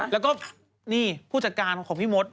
แล้วก็นี่ผู้จัดการของพี่มด